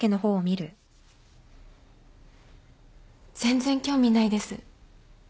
全然興味ないです。